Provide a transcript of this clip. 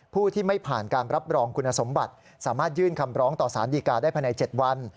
ผู้ที่ไม่ผ่านการรับรองคุณสมบัติสามารถยื่นคำร้องต่อสารดีกาได้ภายใน๗วัน